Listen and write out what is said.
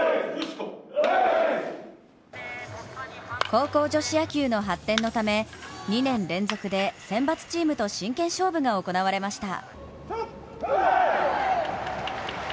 高校女子野球の発展のため２年連続で選抜チームと真剣勝負が行われました。